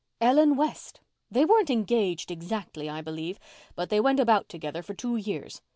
"Ellen West. They weren't engaged exactly, I believe, but they went about together for two years.